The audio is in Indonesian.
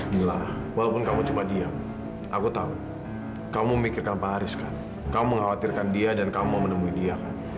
mila walaupun kamu cuma diam aku tahu kamu memikirkan pak ariska kamu mengkhawatirkan dia dan kamu menemui dia kan